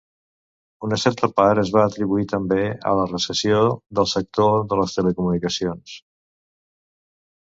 Una certa part es va atribuir també a la recessió del sector de les telecomunicacions.